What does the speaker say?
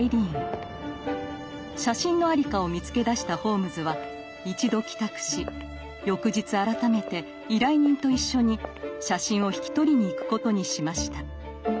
写真の在りかを見つけ出したホームズは一度帰宅し翌日改めて依頼人と一緒に写真を引き取りに行くことにしました。